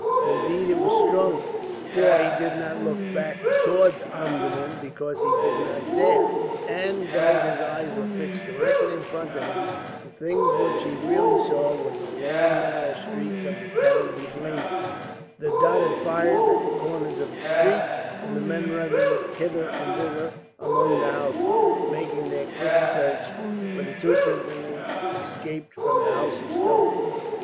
Indeed, it was stronger, for he did not look back towards Omdurman because he did not dare; and though his eyes were fixed directly in front of him, the things which he really saw were the long narrow streets of the town behind him, the dotted fires at the corners of the streets, and men running hither and thither among the houses, making their quick search for the two prisoners escaped from the House of Stone.